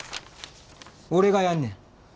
俺がやんねん。